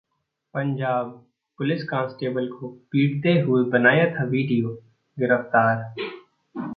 Punjab: police constable को पीटते हुए बनाया था वीडियो, गिरफ्तार